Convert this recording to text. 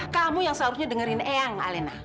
kamu yang seharusnya dengerin eyang alena